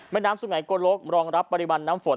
แม่น้ำสุ่งไหนโกนลกรองรับปริมาณน้ำฝน